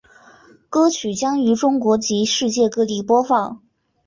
歌曲将于中国及世界各地播放。